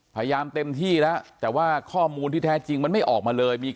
พยายามเต็มที่แล้วแต่ว่าข้อมูลที่แท้จริงมันไม่ออกมาเลย